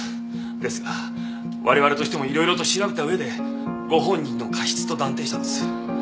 ですが我々としてもいろいろと調べた上でご本人の過失と断定したんです。